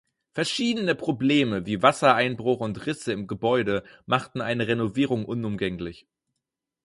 Verschiedene Probleme wie Wassereinbruch und Risse im Gebäude machten eine Renovierung unumgänglich.